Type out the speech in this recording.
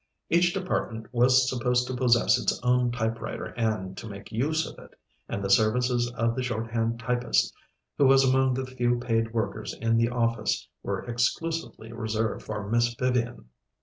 Each department was supposed to possess its own typewriter and to make use of it, and the services of the shorthand typist, who was amongst the few paid workers in the office, were exclusively reserved for Miss Vivian.